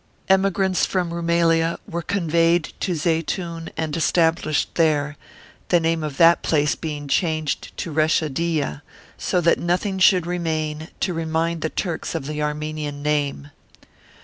Emigrants from Roumelia were conveyed to Zeitoun and established there, the name of that place being changed to " Reshadiya," so that no thing should remain to remind the Turks of the Armenian name.